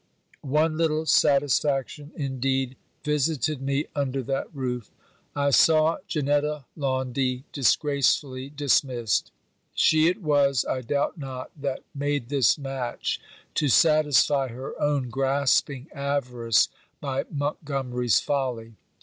One little satisfaction, indeed, visited me under that roof. I saw Janetta Laundy disgracefully dismissed. She it was, I doubt not, that made this match to satisfy her own grasping avarice by Montgomery's folly.